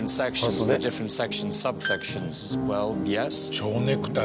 蝶ネクタイ。